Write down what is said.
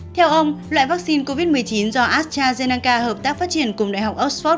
theo ông loại vaccine covid một mươi chín do astrazeneca hợp tác phát triển cùng đại học oxford